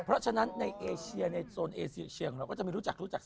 เพราะฉะนั้นในเอเชียในโซนเอเชียเชียงของเราก็จะไม่รู้จักรู้จัก